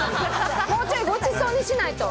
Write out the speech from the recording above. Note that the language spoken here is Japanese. もうちょいごちそうにしないと。